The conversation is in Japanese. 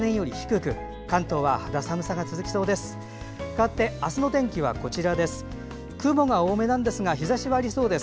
かわって明日の天気はこちらです。